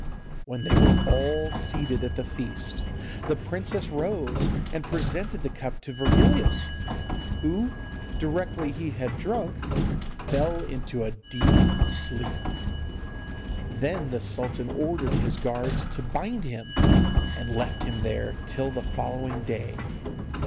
When they were all seated at the feast the princess rose and presented the cup to Virgilius, who directly he had drunk fell into a deep sleep. Then the sultan ordered his guards to bind him, and left him there till the following day.